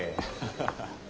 ハハハ。